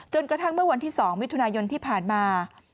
จนกระทั่งเมื่อวันที่๒วิทยุทธิ์ที่ผ่านมา